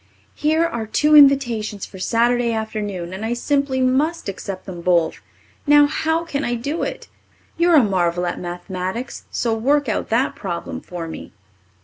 Here are two invitations for Saturday afternoon and I simply must accept them both. Now, how can I do it? You're a marvel at mathematics so work out that problem for me.